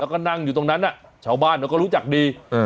เราก็นั่งอยู่ตรงนั้นอ่ะชาวบ้านเราก็รู้จักดีอืม